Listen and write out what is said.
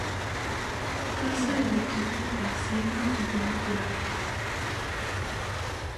Casa del equipo paceño Bolívar.